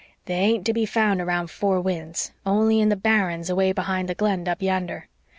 "They ain't to be found around Four Winds, only in the barrens away behind the Glen up yander.